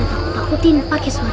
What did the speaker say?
emang kita takut takutin pake suara